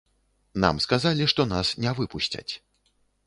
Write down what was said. Нам сказалі, што нас не выпусцяць.